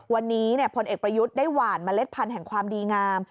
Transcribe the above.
วันนี้พลเอกประยุทธ์ได้หวานเมล็ดพันธุ์แห่งความดีงาม